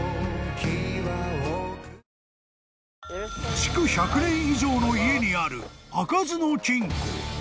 ［築１００年以上の家にある開かずの金庫］